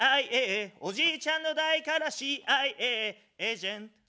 おじいちゃんの代からＣＩＡエージェント。